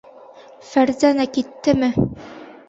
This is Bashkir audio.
Фәрзәнә киттеме?